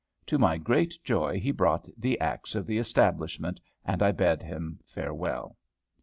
To my great joy he brought the axe of the establishment, and I bade him farewell.